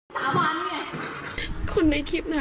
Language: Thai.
แล้วครุกก็เอากลับมา